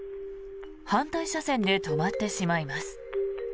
反対車線で止まってしまいます。